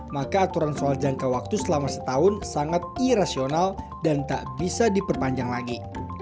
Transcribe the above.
maka aturan soal jangka waktu selama setahun sangat irasional dan tak bisa diperpanjang lagi